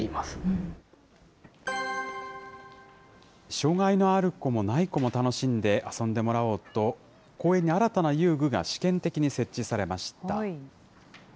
障害のある子もない子も楽しんで遊んでもらおうと、公園に新たな遊具が試験的に設置されました。